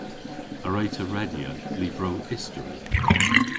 A wre'ta redya lyvrow istori?